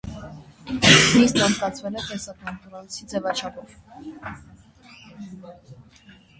Նիստն անցկացվել է տեսակոնֆերանսի ձևաչափով: